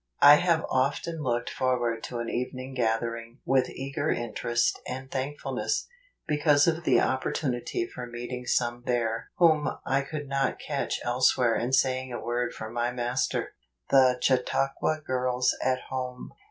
I have often looked forward to an evening gathering with eager interest and thankfulness, because of the opportunity for meeting some there whom I could not catch elsewhere and saying a word for my Master. The Chautauqua Girls at Home.